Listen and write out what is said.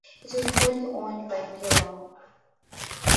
It was wholly owned by Billa.